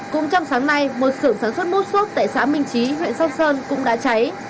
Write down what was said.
cũng trong sáng nay một sưởng sản xuất mốt tại xã minh trí huyện sóc sơn cũng đã cháy